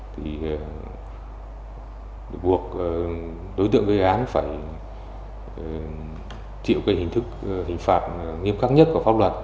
thì buộc đối tượng về án phải chịu cái hình phạt nghiêm khắc nhất của pháp luật